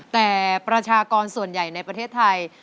แต่ประชากรส่วนใหญ่ในประเทศไทย